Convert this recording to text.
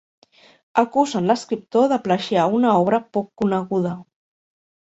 Acusen l'escriptor de plagiar una obra poc coneguda.